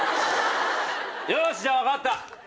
よし分かった。